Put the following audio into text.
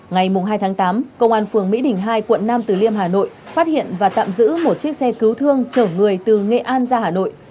ngày hai tháng tám công an phường mỹ đình hai quận nam từ liêm hà nội phát hiện và tạm giữ một chiếc xe cứu thương chở người từ nghệ an ra hà nội